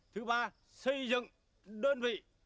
thứ ba xây dựng đất vị